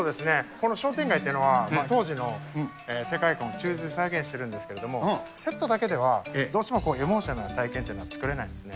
この商店街というのは、当時の世界観を忠実に再現しているんですけれども、セットだけではどうしてもエモーショナルな体験というのは作れないんですね。